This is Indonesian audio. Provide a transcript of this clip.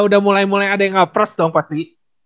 udah mulai mulai ada yang nge proves dong pasti